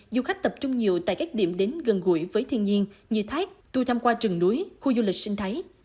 dự tại các điểm đến gần gũi với thiên nhiên như thái tui tham qua trần núi khu du lịch sinh thái